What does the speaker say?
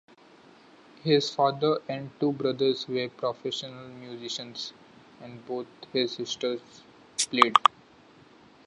His father and two brothers were professional musicians and both his sisters played.